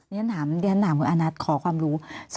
เรียนถามคุณอานัทขอความรู้